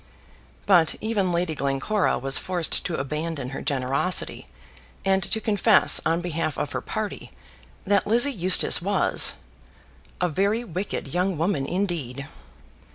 But even Lady Glencora was forced to abandon her generosity, and to confess, on behalf of her party, that Lizzie Eustace was a very wicked young woman, indeed.